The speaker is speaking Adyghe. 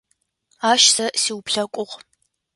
Ащ сэ сиуплъэкӏугъ.